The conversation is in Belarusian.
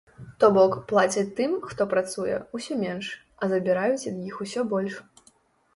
То бок, плацяць тым, хто працуе, усё менш, а забіраюць ад іх усё больш.